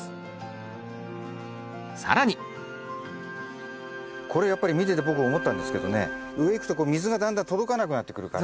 更にこれやっぱり見てて僕思ったんですけどね上いくと水がだんだん届かなくなってくるから。